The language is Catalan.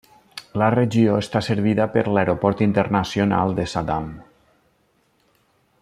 La regió està servida per l'aeroport internacional de Saddam.